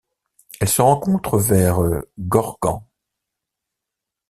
Elle se rencontre vers Gorgan.